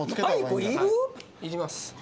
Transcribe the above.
いります。